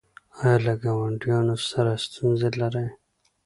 ایا له ګاونډیانو سره ستونزې لرئ؟